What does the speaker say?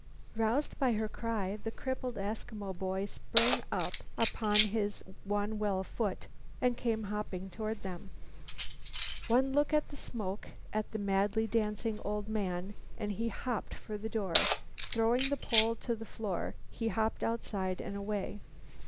Roused by her cry, the crippled Eskimo boy sprang upon his one well foot and came hopping toward them. One look at the smoke, at the madly dancing old man, and he hopped for the door. Throwing the pole to the floor, he hopped outside and away.